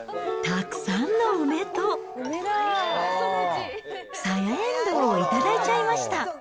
たくさんの梅とさやえんどうを頂いちゃいました。